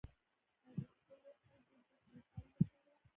او د خپلو خلکو د سوکالۍ لپاره.